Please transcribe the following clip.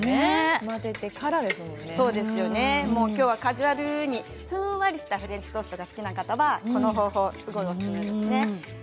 きょうはカジュアルにふんわりしたフレンチトーストが好きな方はこの方法がおすすめです。